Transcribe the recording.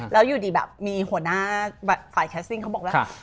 แล้วอยู่ดีแบบมีหัวหน้าฝ่ายแคสซิ่งเขาบอกว่า